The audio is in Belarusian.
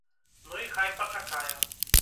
Ну і хай пачакае.